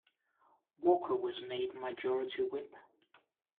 Walker was made Majority Whip.